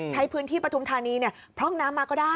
ใช้พื้นที่ปฐุมธานีพร่องน้ำมาก็ได้